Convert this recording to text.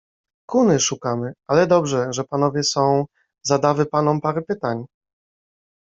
Kuny, kuny szukamy. Ale dobrze, że panowie są, zadawy panom parę pytań.